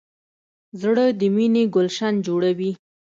زړه د مینې ګلشن جوړوي.